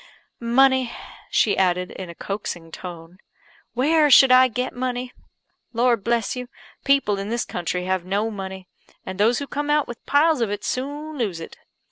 Money!" she added, in a coaxing tone, "Where should I get money? Lord bless you! people in this country have no money; and those who come out with piles of it, soon lose it.